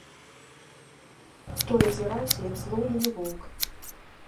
Той азіраўся, як злоўлены воўк.